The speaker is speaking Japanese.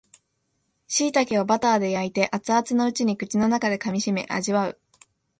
しいたけをバターで焼いて熱々のうちに口の中で噛みしめ味わう